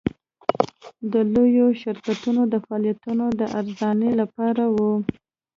د لویو شرکتونو د فعالیتونو د ارزونې لپاره وه.